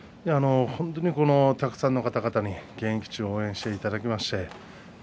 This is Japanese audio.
本当にたくさんの方々に現役中、応援してもらいました。